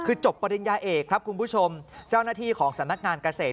คือจบปริญญาเอกครับคุณผู้ชมเจ้าหน้าที่ของสำนักงานเกษตร